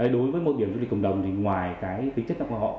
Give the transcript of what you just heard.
đối với môi trường du lịch cộng đồng thì ngoài cái tính chất của họ